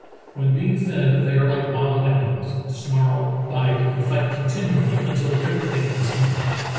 When being fed they are like wild animals — snarl, bite, and fight continually until everything is eaten."